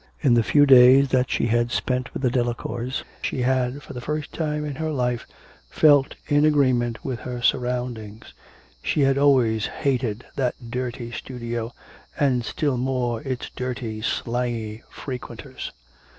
In the few days that she had spent with the Delacours she had, for the first time in her life, felt in agreement with her surroundings. She had always hated that dirty studio, and still more its dirty slangy frequenters.